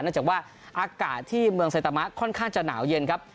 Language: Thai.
จากว่าอากาศที่เมืองเซตามะค่อนข้างจะหนาวเย็นครับ